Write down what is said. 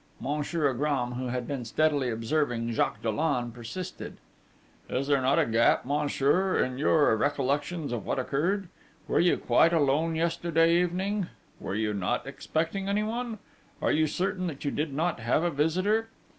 Monsieur Agram, who had been steadily observing Jacques Dollon, persisted: 'Is there not a gap, monsieur, in your recollections of what occurred?... Were you quite alone yesterday evening? Were you not expecting anyone?... Are you certain that you did not have a visitor?